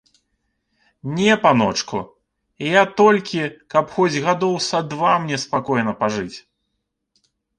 Не, паночку, я толькі, каб хоць гадоў са два мне спакойна пажыць.